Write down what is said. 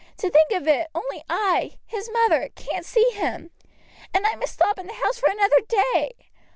"To think of it, only I, his mother, can't see him! And I must stop in the house for another day!